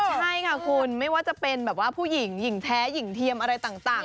ใช่ค่ะคุณไม่ว่าจะเป็นแบบว่าผู้หญิงหญิงแท้หญิงเทียมอะไรต่าง